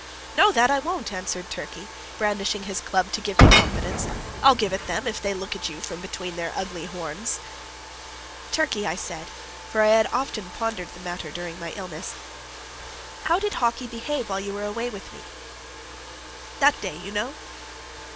"No, that I won't," answered Turkey, brandishing his club to give me confidence, "I'll give it them, if they look at you from between their ugly horns." "Turkey," I said, for I had often pondered the matter during my illness, "how did Hawkie behave while you were away with me that day, you know?"